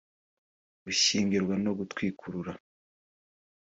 gushyingirwa no gutwikurura